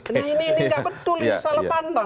lalu semuanya ditarik kepada presiden